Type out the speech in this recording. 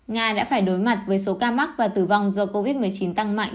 nga đã phải đối mặt với số ca mắc và tử vong do covid một mươi chín tăng mạnh